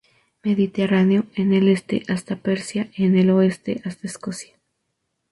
Mediterráneo, en el este hasta Persia, en el oeste hasta Escocia.